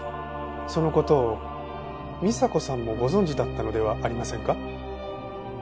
その事を美沙子さんもご存じだったのではありませんか？